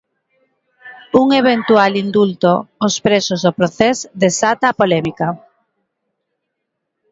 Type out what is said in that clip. Un eventual indulto os presos do Procés desata a polémica.